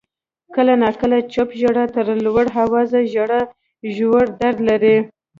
• کله ناکله چپ ژړا تر لوړ آوازه ژړا ژور درد لري.